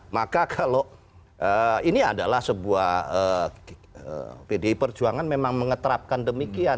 maka kalau ini adalah sebuah pdi perjuangan memang mengeterapkan demikian